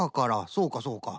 そうかそうか。